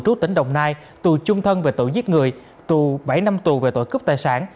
trú tỉnh đồng nai tù chung thân về tội giết người tù bảy năm tù về tội cướp tài sản